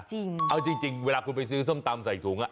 จริงเอาจริงเวลาคุณไปซื้อส้มตำใส่ถุง